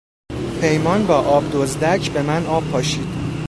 پیمان با آب دزدک به من آب پاشید.